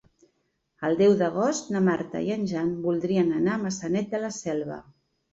El deu d'agost na Marta i en Jan voldrien anar a Maçanet de la Selva.